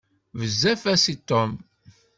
Bezzaf-as i Tom.